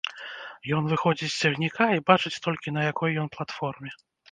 Ён выходзіць з цягніка і бачыць толькі, на якой ён платформе.